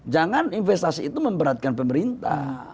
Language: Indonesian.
jangan investasi itu memberatkan pemerintah